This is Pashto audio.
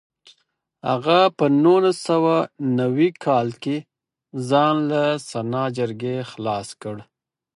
هغه په نولس سوه نوي کال کې ځان له سنا جرګې خلاص کړ.